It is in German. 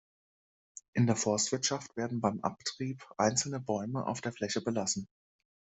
In der Forstwirtschaft werden beim Abtrieb einzelne Bäume auf der Fläche belassen.